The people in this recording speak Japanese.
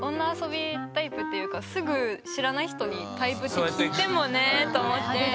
っていうかすぐ知らない人にタイプって聞いてもねと思って。